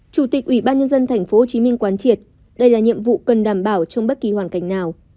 chủ tịch ủy ban nhân dân tp hcm quán triệt đây là nhiệm vụ cần đảm bảo trong bất kỳ hoàn cảnh nào